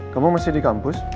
kamu masih di kampus